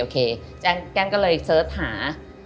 แกล้งก็เลยเสิร์ชหา